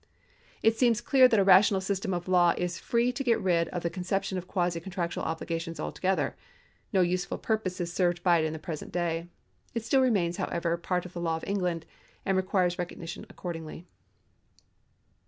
It seems clear that a rational system of law is free to get rid of the concei)tion of quasi contractual obligation altogether. No useful purpose is served by it at the present day. It still remains, however, part of the law of England, and requires recognition accordingly.